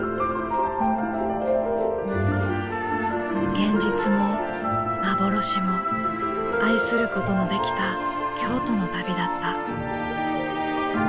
現実も幻も愛することのできた京都の旅だった。